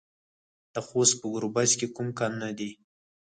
د خوست په ګربز کې کوم کانونه دي؟